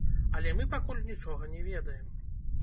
Але мы пакуль нічога не ведаем.